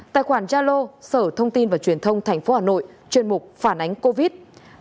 hai tài khoản jalo sở thông tin và truyền thông thành phố hà nội chuyên mục phản ánh covid